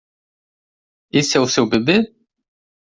Esse é o seu bebê?